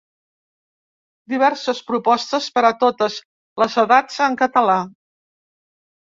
Diverses propostes per a totes les edats en català.